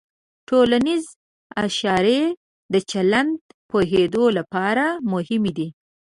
ټولنیز اشارې د چلند پوهېدو لپاره مهمې دي.